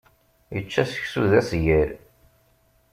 Ičča seksu d asgal.